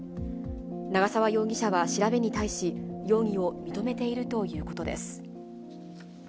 長沢容疑者は調べに対し、容疑を認めているということです。